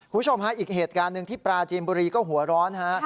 คุณผู้ชมฮะอีกเหตุการณ์หนึ่งที่ปราจีนบุรีก็หัวร้อนฮะ